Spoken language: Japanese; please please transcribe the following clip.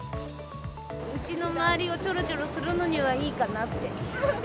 うちの周りをちょろちょろするのにはいいかなって。